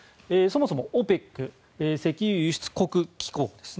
そもそもＯＰＥＣ・石油輸出国機構です。